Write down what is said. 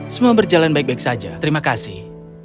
semua berjalan baik baik saja terima kasih